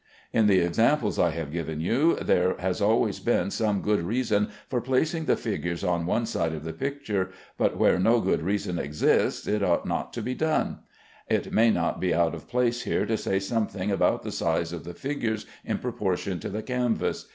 In the examples I have given you there has always been some good reason for placing the figures on one side of the picture, but where no good reason exists, it ought not to be done. It may not be out of place here to say something about the size of the figures in proportion to the canvas.